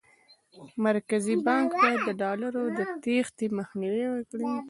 مرکزي بانک باید د ډالرو د تېښتې مخنیوی وکړي.